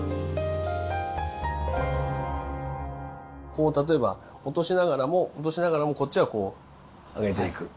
こう例えば落としながらも落としながらもこっちはこう上げていく。